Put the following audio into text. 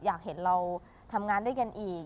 อยากเห็นเราทำงานด้วยกันอีก